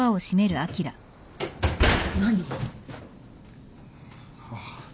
何？